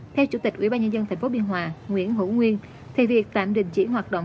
theo chủ tịch ubnd tp biên hòa nguyễn hữu nguyên thì việc tạm đình chỉ hoạt động